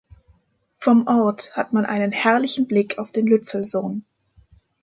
Vom Ort hat man einen herrlichen Blick auf den Lützelsoon.